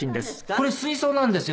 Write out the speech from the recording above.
これ水槽なんですよ。